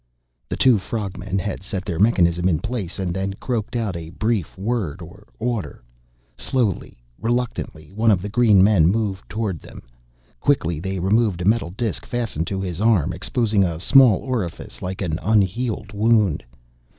The two frog men had set their mechanism in place and then croaked out a brief word or order. Slowly, reluctantly, one of the green men moved toward them. Quickly they removed a metal disk fastened to his arm, exposing a small orifice like an unhealed wound.